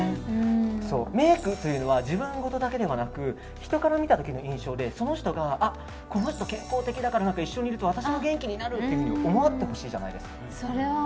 メイクというのは自分ごとだけではなく人から見た時の印象でこの人健康的だから一緒にいると私も元気になるって思ってほしいじゃないですか。